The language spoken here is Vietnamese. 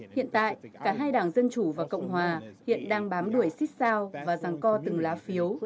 hiện tại cả hai đảng dân chủ và cộng hòa hiện đang bám đuổi siết sao và giảng co từng lá phiếu